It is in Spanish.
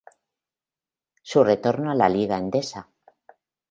Su retorno a la Liga Endesa.